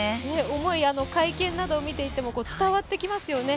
思い、会見などを見ていても伝わってきますよね。